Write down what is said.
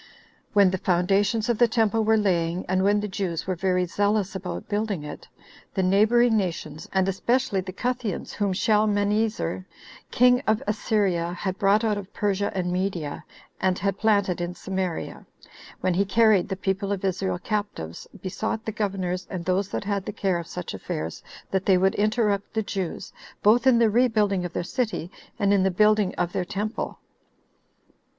1. When the foundations of the temple were laying, and when the Jews were very zealous about building it, the neighboring nations, and especially the Cutheans, whom Shalmanezer, king of Assyria, had brought out of Persia and Media, and had planted in Samaria, when he carried the people of Israel captives, besought the governors, and those that had the care of such affairs, that they would interrupt the Jews, both in the rebuilding of their city, and in the building of their temple.